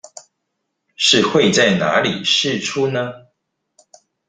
是會在哪裡釋出呢?